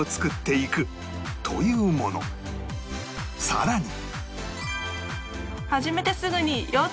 さらに